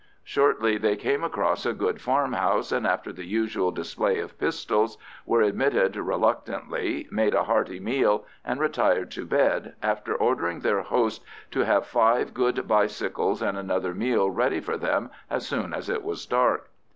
Shortly they came across a good farmhouse, and, after the usual display of pistols, were admitted reluctantly, made a hearty meal, and retired to bed after ordering their host to have five good bicycles and another meal ready for them as soon as it was dark.